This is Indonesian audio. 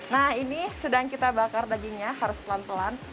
nah ini sedang kita bakar dagingnya harus pelan pelan